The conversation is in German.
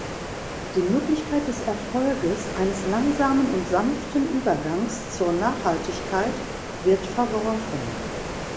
Die Möglichkeit des Erfolges eines langsamen und sanften Übergangs zur Nachhaltigkeit wird verworfen.